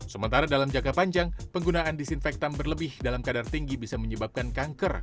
sementara dalam jangka panjang penggunaan disinfektan berlebih dalam kadar tinggi bisa menyebabkan kanker